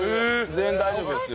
全然大丈夫ですよ」。